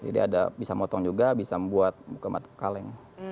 jadi ada bisa motong juga bisa buat buka kaleng